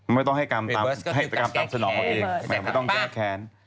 ไม่ต้องให้กรรมตามสนองเอาเองแหมไม่ต้องแก้แค้น